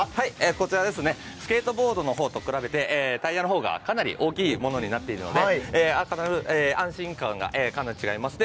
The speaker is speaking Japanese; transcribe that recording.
こちら、スケートボードと比べてタイヤの方がかなり大きいものになっているので安心感がかなり違います。